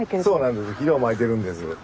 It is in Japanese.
そうなんです肥料まいてるんです。